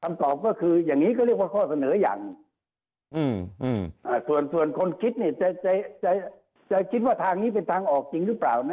ตอบก็คืออย่างนี้ก็เรียกว่าข้อเสนออย่างส่วนคนคิดเนี่ยจะคิดว่าทางนี้เป็นทางออกจริงหรือเปล่านะ